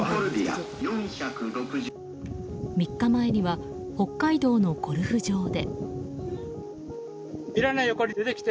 ３日前には北海道のゴルフ場で。